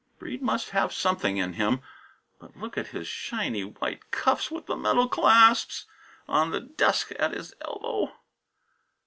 Breede must have something in him but look at his shiny white cuffs with the metal clasps, on the desk at his elbow!